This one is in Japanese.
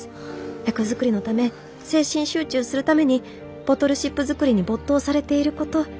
役作りのため精神集中するためにボトルシップ作りに没頭されていること。